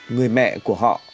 người mẹ của họ